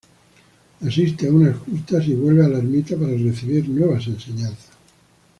Asiste a unas justas y vuelve a la ermita para recibir nuevas enseñanzas.